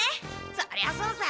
そりゃそうさ。